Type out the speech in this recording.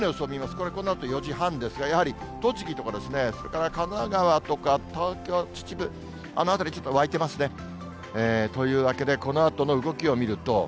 これ、このあと４時半ですが、やはり栃木とか、それから神奈川とか東京、秩父、あの辺り、ちょっと湧いてますね。というわけで、このあとの動きを見ると。